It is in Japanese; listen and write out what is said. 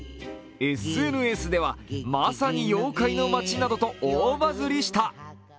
ＳＮＳではまさに妖怪の街などと大バズりした。